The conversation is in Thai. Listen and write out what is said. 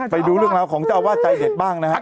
ไปดูเรื่องราวของเจ้าอาวาสใจเด็ดบ้างนะครับ